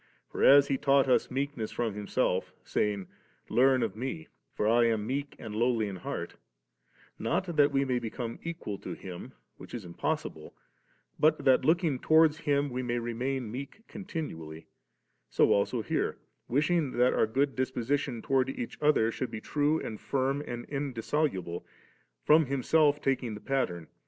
For as He taught us meekness from Himself, saying, ' Learn of Me, for I am meek and lowly in heart 3,' not that we may become equal to Him, which is im possible, but that looking towards Him, we may remain meek continually, so also here, wishing that oiu: good disposition towards each other should be true and firm and indisso luble, from Himself taking the pattern.